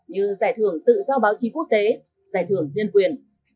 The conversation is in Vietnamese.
như giải thưởng tự do báo chí quốc tế giải thưởng nhân quyền